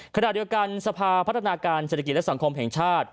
ขณะเดียวกันสภาพัฒนาการเศรษฐกิจและสังคมแห่งชาติ